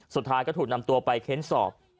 สุดท้ายก็ถูกนำตัวไปเค้นสอบ